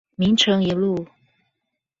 明誠一路